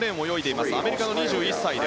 アメリカの２１歳。